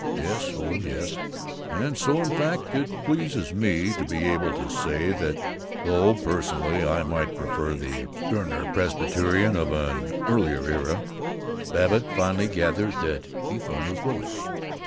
Yes, oh yes. And so, in fact, it pleases me to be able to say that though personally I might prefer the sterner Presbyterianism of an earlier era " Babbitt finally gathered that Eathorne was willing.